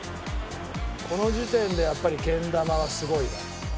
「この時点でやっぱりけん玉はすごいな」